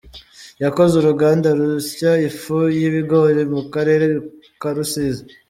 Yakoze uruganda rusya ifu y’ibigori Mukarere Karusizi